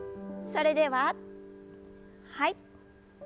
それでははい。